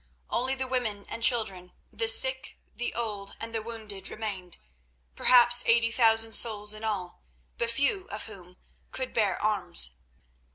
Only the women and children, the sick, the old, and the wounded remained—perhaps eighty thousand souls in all—but few of whom could bear arms.